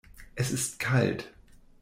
Es ist kalt.